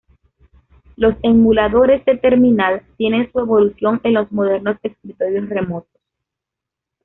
Los "emuladores de terminal" tienen su evolución en los modernos escritorios remotos.